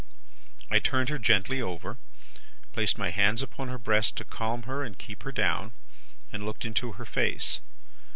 "I turned her gently over, placed my hands upon her breast to calm her and keep her down, and looked into her face.